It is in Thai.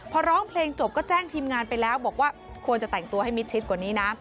พอร้องเพลงจบก็แจ้งทีมงานไปแล้วบอกว่าควรจะแต่งตัวให้มิดชิดกว่านี้นะ